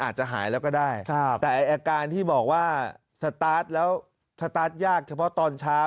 อาจจะหายแล้วก็ได้แต่แอร์การที่บอกว่าแล้วยากเฉพาะตอนเช้า